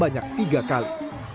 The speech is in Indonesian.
sebanyak tiga kali